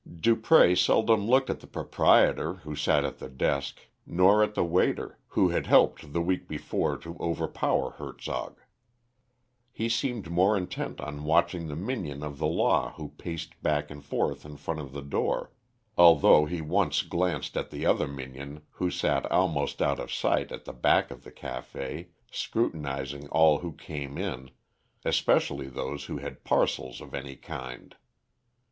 Dupré seldom looked at the proprietor, who sat at the desk, nor at the waiter, who had helped the week before to overpower Hertzog. He seemed more intent on watching the minion of the law who paced back and forth in front of the door, although he once glanced at the other minion who sat almost out of sight at the back of the café, scrutinising all who came in, especially those who had parcels of any kind.